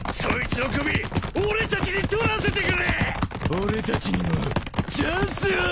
俺たちにもチャンスを！